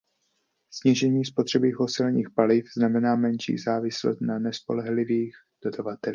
Snížení spotřeby fosilních paliv znamená menší závislost na nespolehlivých dodavatelích.